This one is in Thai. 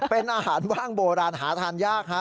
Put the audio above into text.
เป็นอาหารว่างโบราณหาทานยากฮะ